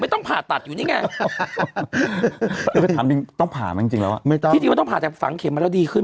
ต้องผ่าจริงจริงแล้วไม่ต้องพาแต่ฝังเข็มมาแล้วดีขึ้น